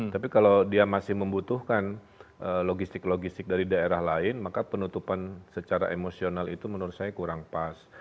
tapi kalau dia masih membutuhkan logistik logistik dari daerah lain maka penutupan secara emosional itu menurut saya kurang pas